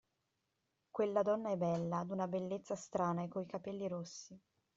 Quella donna è bella, d'una bellezza strana e coi capelli rossi.